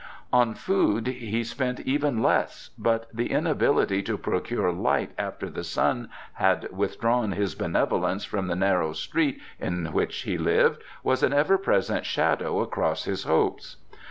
On food he spent even less, but the inability to procure light after the sun had withdrawn his benevolence from the narrow street in which he lived was an ever present shadow across his hopes.